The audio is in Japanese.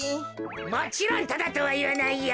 もちろんタダとはいわないよ。